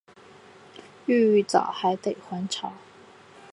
王玉藻只得还朝。